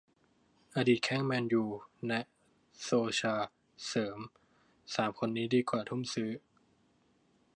อดีตแข้ง แมนยู แนะ โซลชาร์ เสริม สาม คนนี้ดีกว่าทุ่มซื้อ